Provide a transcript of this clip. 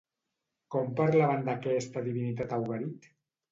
Com parlaven d'aquesta divinitat a Ugarit?